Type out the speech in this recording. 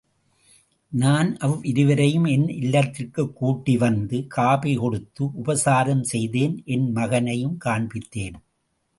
நான் அவ்விருவரையும் என் இல்லத்திற்குக் கூட்டி வந்து காபி கொடுத்து உபசாரம் செய்தேன் என் மகனையும் காண்பித்தேன்.